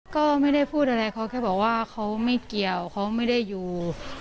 ก็ไม่ได้พูดอะไรเขาแค่บอกว่าเขาไม่เกี่ยวเขาไม่ได้อยู่